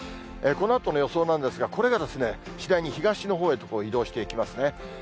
このあとの予想なんですが、これが次第に東のほうへと移動していきますね。